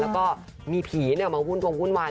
แล้วก็มีผีมาวุ่นวงวุ่นวาย